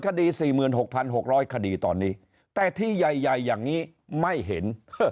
คดี๔๖๖๐๐คดีตอนนี้แต่ที่ใหญ่อย่างนี้ไม่เห็น